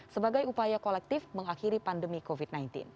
sebagai upaya kolektif mengakhiri pandemi covid sembilan belas